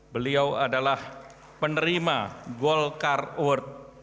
beliau adalah penerima golkar award